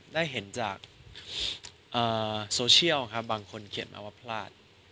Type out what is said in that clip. ได้เห็นจากโซเชียลครับบางคนเขียนมาว่าพลาด